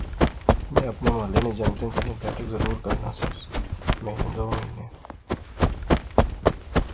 میں اپنے محلے نے جنگتیں کنے بیٹھک ضرور کرنا دیس، مہینے دو مہینے